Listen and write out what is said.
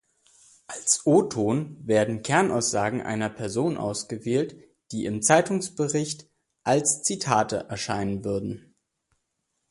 Als O-Ton werden Kernaussagen einer Person ausgewählt, die im Zeitungsbericht als Zitate erscheinen würden.